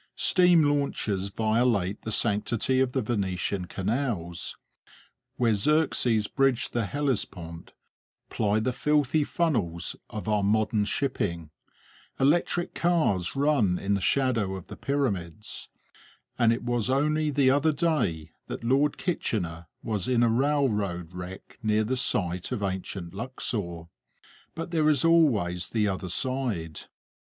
Steam launches violate the sanctity of the Venetian canals; where Xerxes bridged the Hellespont ply the filthy funnels of our modern shipping; electric cars run in the shadow of the pyramids; and it was only the other day that Lord Kitchener was in a railroad wreck near the site of ancient Luxor. But there is always the other side.